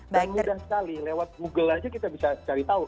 dan mudah sekali lewat google aja kita bisa cari tahu